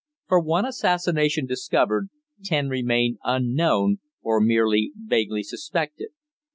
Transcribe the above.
For one assassination discovered, ten remain unknown or merely vaguely suspected.